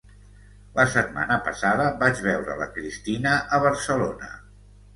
La setmana passada vaig veure la Cristina a Barcelona